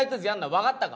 分かったか？